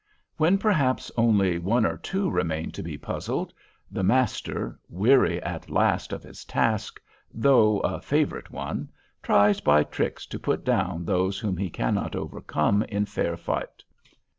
When perhaps only one or two remain to be puzzled, the master, weary at last of his task, though a favorite one, tries by tricks to put down those whom he cannot overcome in fair fight.